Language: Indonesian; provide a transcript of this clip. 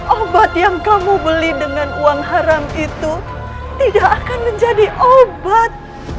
obat yang kamu beli dengan uang haram itu tidak akan menjadi obat